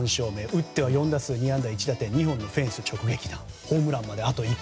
打っては４打数２安打１打点２本のフェンス直撃弾ホームラン、１本。